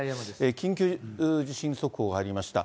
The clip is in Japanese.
緊急地震速報が入りました。